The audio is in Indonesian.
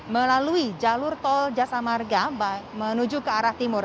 melalui jalur tol jasa marga menuju ke arah timur